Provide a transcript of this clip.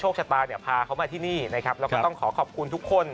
โชคชะตาพาเขามาที่นี่นะครับแล้วก็ต้องขอขอ